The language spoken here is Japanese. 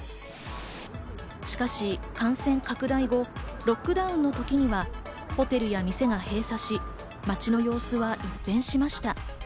しかし感染拡大後、ロックダウンの時にはホテルや店が閉鎖し、街の様子は一変しました。